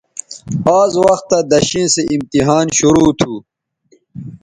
آز وختہ دݜیئں سو امتحان شرو تھو